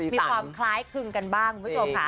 มีความคล้ายคลึงกันบ้าง